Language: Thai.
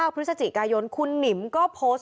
พฤศจิกายนคุณหนิมก็โพสต์